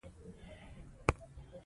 خپل فرهنګي ارزښتونه خوندي کړئ.